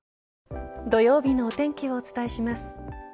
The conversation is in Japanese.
土曜日のお天気をお伝えします。